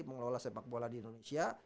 mengelola sepak bola di indonesia